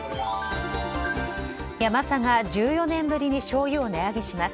ヤマサが１４年ぶりにしょうゆを値上げします。